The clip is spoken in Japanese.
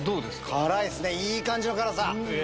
辛いっすいい感じの辛さ。